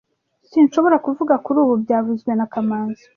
Sinshobora kuvuga kuri ubu byavuzwe na kamanzi